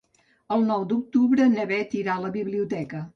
El nou d'octubre na Beth irà a la biblioteca.